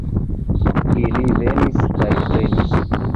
Ili venis kaj prenis!